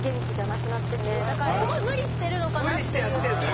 だからすごい無理してるのかなっていう。